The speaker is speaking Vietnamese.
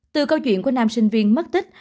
từ câu chuyện của nam sinh viên mất tích